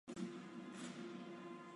扳机扣力很轻。